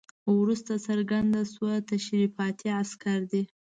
وروسته څرګنده شوه تشریفاتي عسکر دي.